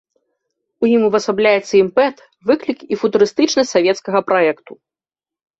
У ім увасабляецца імпэт, выклік і футурыстычнасць савецкага праекту.